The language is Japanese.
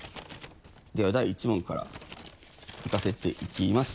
では第１問からいかせていきます。